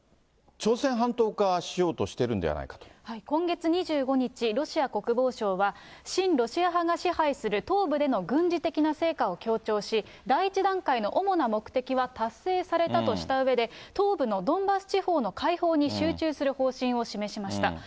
今月２５日、ロシア国防省は、親ロシア派が支配する東部での軍事的な成果を強調し、第１段階の主な目的は達成されたとしたうえで、東部のドンバス地方の解放に集中する方針を示しました。